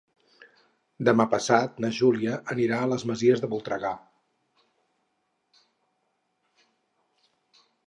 Demà passat na Júlia anirà a les Masies de Voltregà.